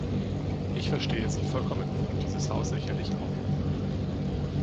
Ich verstehe Sie vollkommen, und dieses Haus sicherlich auch.